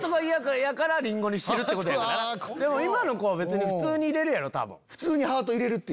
今の子は別に普通に入れるやろ多分。